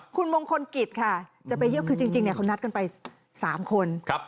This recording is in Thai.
คุณมงคลกิจค่ะจะไปเยี่ยมคือจริงเขานัดกันไป๓คน